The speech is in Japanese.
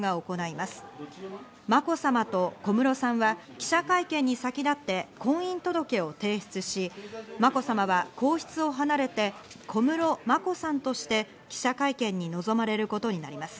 まこさまと小室さんは記者会見に先立って婚姻届を提出し、まこさまは皇室を離れて、小室まこさんとして記者会見に臨まれることになります。